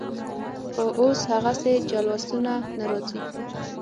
خو اوس هغسې جلوسونه نه راځي.